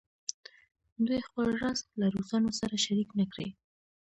دوی خپل راز له روسانو سره شریک نه کړي.